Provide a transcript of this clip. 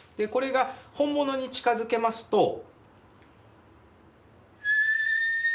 これが本物に近づけますと。